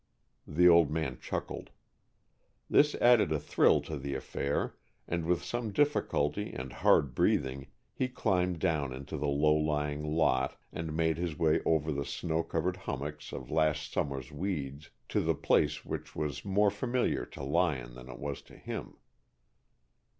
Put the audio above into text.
The old man chuckled. This added a thrill to the affair, and with some difficulty and hard breathing he climbed down into the low lying lot and made his way over the snow covered hummocks of last summer's weeds to the place which was more familiar to Lyon than it was to him.